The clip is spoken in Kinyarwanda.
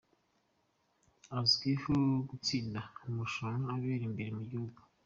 Azwiho gutsinda amarushanwa abera imbere mu gihugu.